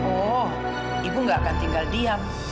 oh ibu gak akan tinggal diam